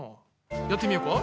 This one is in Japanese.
やってみようか。